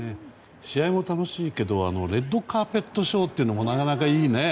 試合も楽しいけどレッドカーペットショーもなかなかいいね。